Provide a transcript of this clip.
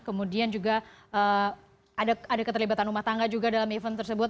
kemudian juga ada keterlibatan rumah tangga juga dalam event tersebut